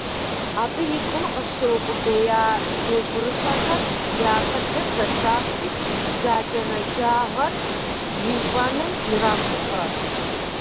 Абы и гум къыщыукъубея и гурыщӏэхэм и акъылыр зэтрахури, бзаджэнаджагъэр ищӏэным ирахулӏэ.